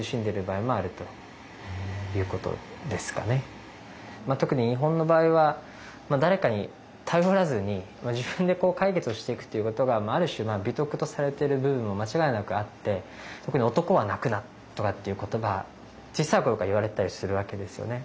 なので特に日本の場合は誰かに頼らずに自分で解決をしていくということがある種美徳とされている部分も間違いなくあって特に「男は泣くな」とかっていうことが小さい頃から言われてたりするわけですよね。